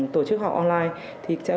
tổ chức học online thì sẽ